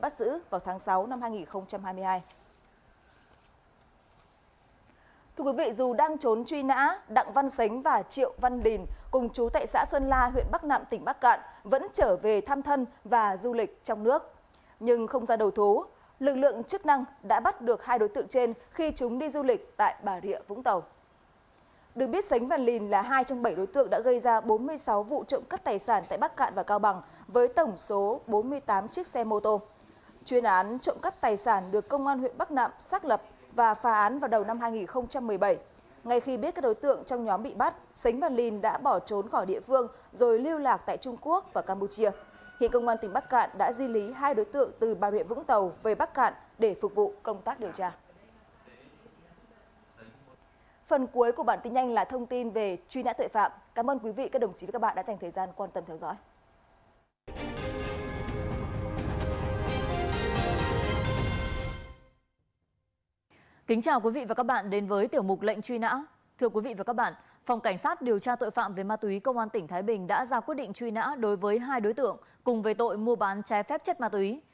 thưa quý vị và các bạn phòng cảnh sát điều tra tội phạm về ma túy công an tỉnh thái bình đã ra quyết định truy nã đối với hai đối tượng cùng về tội mua bán trái phép chất ma túy